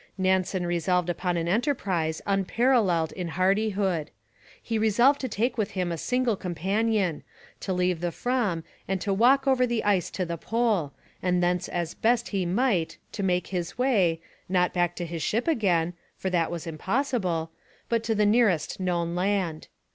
Nansen resolved upon an enterprise unparalleled in hardihood. He resolved to take with him a single companion, to leave the Fram and to walk over the ice to the Pole, and thence as best he might to make his way, not back to his ship again (for that was impossible), but to the nearest known land.